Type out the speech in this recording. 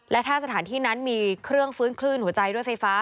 และถ้าสถานที่นั้นมีเครื่องฟื้นคลื่นหัวใจด้วยไฟฟ้า